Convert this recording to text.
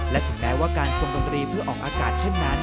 และถึงแม้ว่าการทรงดนตรีเพื่อออกอากาศเช่นนั้น